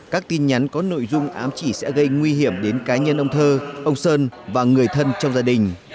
các tin nhắn có nội dung ám chỉ sẽ gây nguy hiểm đến cá nhân ông thơ ông sơn và người thân trong gia đình